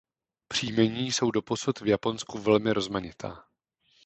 Příjmení jsou doposud v Japonsku velmi rozmanitá.